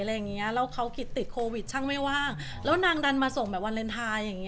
อะไรอย่างงี้แล้วเขากิจติดโควิดช่างไม่ว่างและนางดันมาส่งแบบวันเร็นท๊ายอย่างนี้